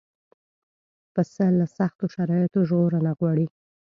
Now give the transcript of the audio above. پسه له سختو شرایطو ژغورنه غواړي.